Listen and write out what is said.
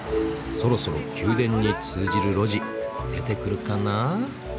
そろそろ宮殿に通じる路地出てくるかな？